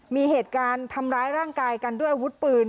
มีเหตุการณ์ทำร้ายร่างกายกันด้วยอาวุธปืน